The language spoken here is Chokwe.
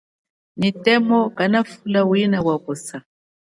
Nyi temo kanafula wina wakusa.